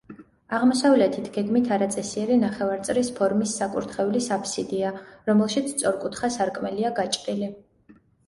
აღმოსავლეთით გეგმით არაწესიერი ნახევარწრის ფორმის საკურთხევლის აფსიდია, რომელშიც სწორკუთხა სარკმელია გაჭრილი.